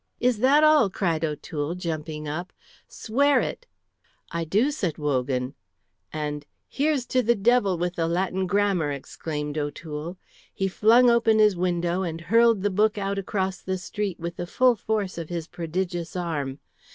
"Is that all?" cried O'Toole, jumping up. "Swear it!" "I do," said Wogan; and "Here's to the devil with the Latin grammar!" exclaimed O'Toole. He flung open his window and hurled the book out across the street with the full force of his prodigious arm.